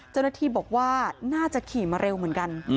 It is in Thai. เจ้าหน้าที่บอกว่าน่าจะขี่มาเร็วเหมือนกัน